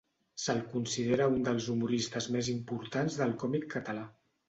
Se'l considera un dels humoristes més importants del còmic català.